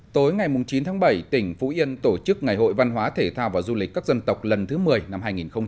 tối ngày chín tháng bảy tỉnh phú yên tổ chức ngày hội văn hóa thể thao và du lịch các dân tộc lần thứ một mươi năm hai nghìn một mươi chín